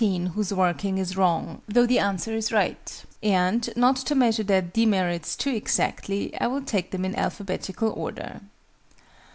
We will now consider the 13 whose working is wrong, though the answer is right: and, not to measure their demerits too exactly, I will take them in alphabetical order.